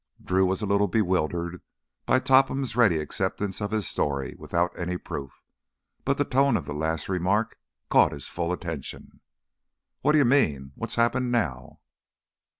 Drew was a little bewildered by Topham's ready acceptance of his story without any proof. But the tone of the last remark caught his full attention. "What d' you mean? What's happened now?"